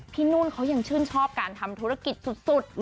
นุ่นเขายังชื่นชอบการทำธุรกิจสุด